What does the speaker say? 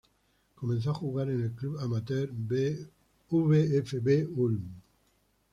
Comenzó a jugar en el club amateur VfB Ulm.